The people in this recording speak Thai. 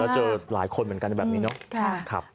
เจอหลายคนเหมือนกันแบบนี้เนาะ